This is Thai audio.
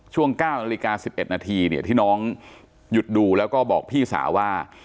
ช่วง๙นาฬิกา๑๑นาทีเนี่ยที่น้องหยุดดูแล้วก็บอกพี่สาวว่า